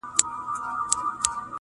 زه اومېدواریم په تیارو کي چي ډېوې لټوم,